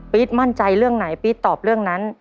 มั่นใจเรื่องไหนปี๊ดตอบเรื่องนั้น